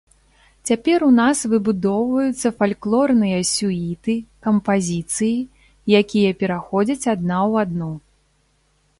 Цяпер у нас выбудоўваюцца фальклорныя сюіты, кампазіцыі, якія пераходзяць адна ў адну.